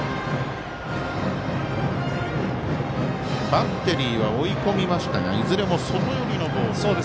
バッテリーは追い込みましたがいずれも外寄りのボール。